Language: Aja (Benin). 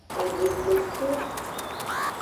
Edekpopwi.